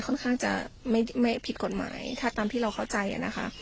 ค่อนข้างจะไม่ผิดกฎหมายถ้าตามที่เราเข้าใจนะคะ